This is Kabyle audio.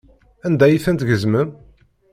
Anda ay tent-tgezmem?